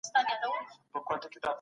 د عادلانه معاش ورکول اړین دي.